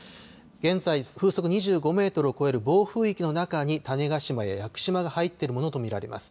現在、風速２５メートルを超える暴風域の中に種子島や屋久島が入っているものと見られます。